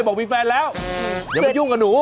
บอกมีแฟนแล้วอย่ายุ่งกับหนู